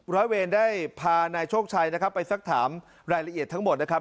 ร้อยเวรได้พานายโชคชัยนะครับไปสักถามรายละเอียดทั้งหมดนะครับ